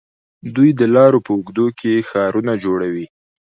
دوی د لارو په اوږدو کې ښارونه جوړوي.